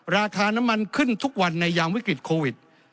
ราคาน้ำมันขึ้นทุกวันในยามวิกฤตโควิด